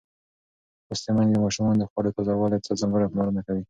لوستې میندې د ماشومانو د خوړو تازه والي ته ځانګړې پاملرنه کوي.